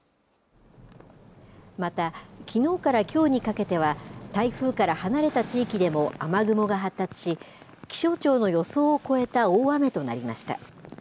また、きのうからきょうにかけては、台風から離れた地域でも雨雲が発達し、気象庁の予想を超えた大雨となりました。